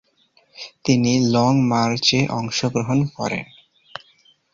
তিনি লং মার্চে অংশগ্রহণ করেন।